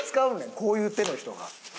こういう手の人が。